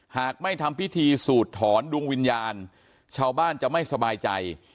หากไม่ทำพิธีสูดถอนดวงวิญญาณชาวบ้านจะไม่สบายใจ